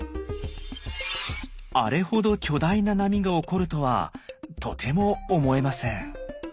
あれほど巨大な波が起こるとはとても思えません。